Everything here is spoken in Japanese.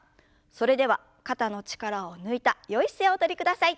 それでは肩の力を抜いたよい姿勢をおとりください。